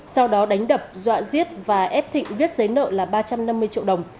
sau đó đánh đập dọa giết và ép thịnh viết giấy nợ là ba trăm năm mươi triệu đồng